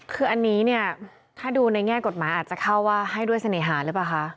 คืออันนี้เนี่ยถ้าดูในแง่กฎหมายอาจจะเข้าว่าให้ด้วยเสน่หาหรือเปล่าคะ